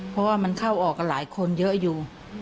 เพราะว่ามันเข้าออกกับหลายคนเยอะอยู่